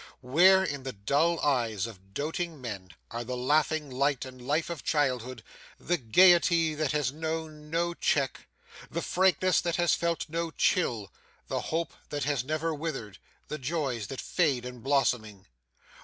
Where, in the dull eyes of doating men, are the laughing light and life of childhood, the gaiety that has known no check, the frankness that has felt no chill, the hope that has never withered, the joys that fade in blossoming?